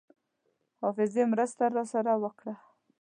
حافظې مرسته راسره وکړه.